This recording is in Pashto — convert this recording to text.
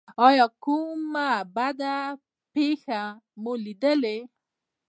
ایا کومه بده پیښه مو لیدلې؟